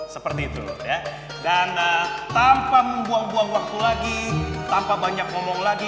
seperti itu ya dan tanpa membuang buang waktu lagi tanpa banyak ngomong lagi